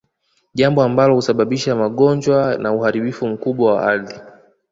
Jambo ambalo husababisha magonjwa na uharibifu mkubwa wa ardhi